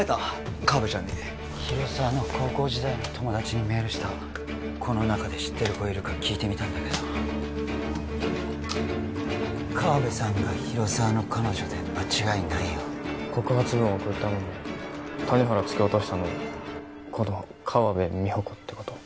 河部ちゃんに広沢の高校時代の友達にメールしたこの中で知ってる子いるか聞いてみたんだけど河部さんが広沢さんの彼女で間違いないよ告発文送ったのも谷原突き落としたのもこの河部美穂子ってこと？